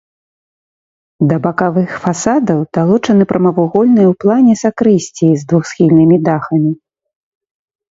Да бакавых фасадаў далучаны прамавугольныя ў плане сакрысціі з двухсхільнымі дахамі.